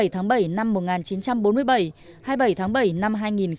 hai mươi tháng bảy năm một nghìn chín trăm bốn mươi bảy hai mươi bảy tháng bảy năm hai nghìn một mươi chín